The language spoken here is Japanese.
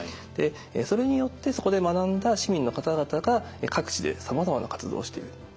それによってそこで学んだ市民の方々が各地でさまざまな活動をしている。